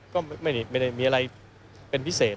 คือไม่มีอะไรพิเศษ